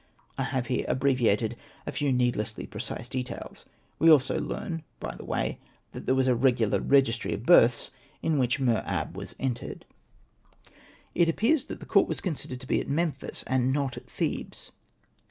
I have here abbreviated a few needlessly precise details. We also learn, by the way, that there was a regular registry of births, in which Mer ab was entered. Hosted by Google REMARKS I'll It appears that the court was considered to be at Memphis, and not at Thebes.